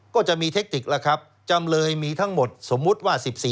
ก็จะมีเทคติกแล้วครับจำเลยมีทั้งหมดสมมุติว่า๑๔